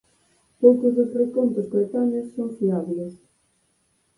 Poucos dos recontos coetáneos son fiables.